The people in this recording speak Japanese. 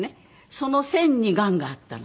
その腺にがんがあったの。